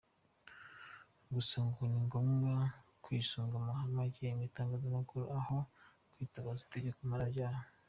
Gusa ngo ni ngombwa kwisunga amahame agenga itangazamakuru aho kwitabaza itegeko mpanabyaha.